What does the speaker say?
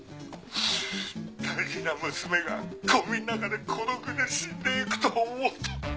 大事な娘がごみの中で孤独で死んでいくと思うと。